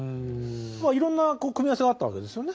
いろんな組み合わせがあったわけですよね？